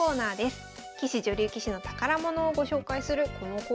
棋士女流棋士の宝物をご紹介するこのコーナー。